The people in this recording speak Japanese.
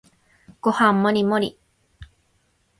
ご飯もりもり